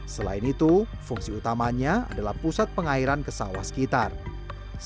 selain itu fungsi utamanya adalah pusat pengairan kesawah sekitarnya